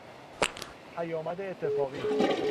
پیامد اتفاقی